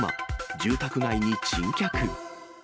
住宅街に珍客。